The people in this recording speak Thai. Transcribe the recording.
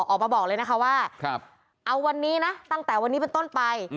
ออกมาบอกเลยนะคะว่าเอาวันนี้นะตั้งแต่วันนี้เป็นต้นไป